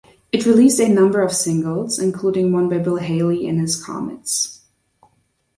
It released a number of singles, including one by Bill Haley and His Comets.